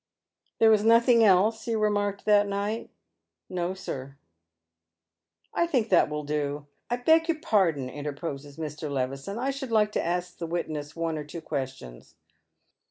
" There was nothing else you remarked that night." « No, sir." " I think that will do." " I beg your pardon," interposes Mr. Levison, " I should like to ask the witness one or two questions.